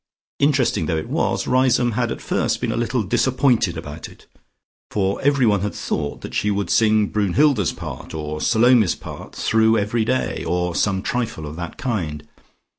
Interesting though it was, Riseholme had at first been a little disappointed about it, for everyone had thought that she would sing Brunnhilde's part or Salome's part through every day, or some trifle of that kind.